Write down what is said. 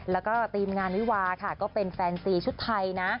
แล้วก็ทีมงานวิวาค่ะก็เป็นแฟนซีชุดไทยนะ